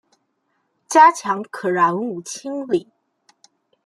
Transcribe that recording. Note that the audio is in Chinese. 加强可燃物清理